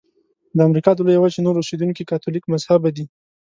د امریکا د لویې وچې نور اوسیدونکي کاتولیک مذهبه دي.